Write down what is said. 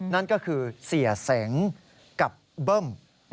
นั่นก็คือเสียเสงกับเบิ้ม